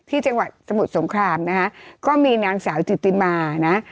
จังหวัดสมุทรสงครามนะฮะก็มีนางสาวจิตติมานะ